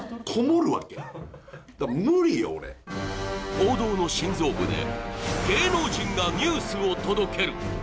報道の心臓部で芸能人がニュースを届ける。